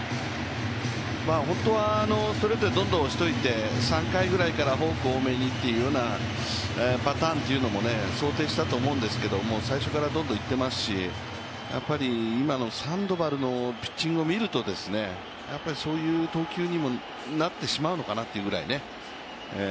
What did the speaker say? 本当はストレートでどんどん押しておいて３回くらいからフォークを多めにっていうパターンも想定してたと思うんですけど最初からどんどんいってますし、今のサンドバルのピッチングを見るとそういう投球にもなってしまうのかなというくらい。